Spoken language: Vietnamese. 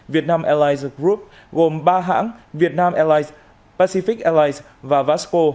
việt nam allies group gồm ba hãng việt nam allies pacific allies và vasco